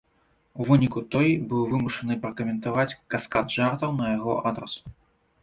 У выніку той быў вымушаны пракаментаваць каскад жартаў на яго адрас.